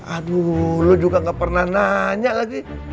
aduh lu juga gak pernah nanya lagi